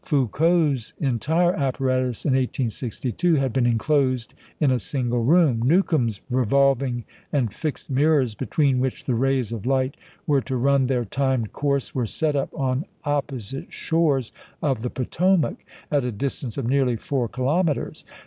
Foucault's entire apparatus in 1862 had been enclosed in a single room; Newcomb's revolving and fixed mirrors, between which the rays of light were to run their timed course, were set up on opposite shores of the Potomac, at a distance of nearly four kilometres.